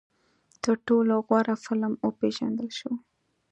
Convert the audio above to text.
تر ټولو غوره فلم وپېژندل شو